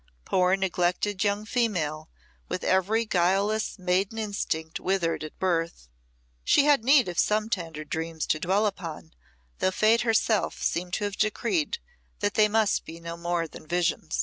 Poor, neglected young female, with every guileless maiden instinct withered at birth, she had need of some tender dreams to dwell upon, though Fate herself seemed to have decreed that they must be no more than visions.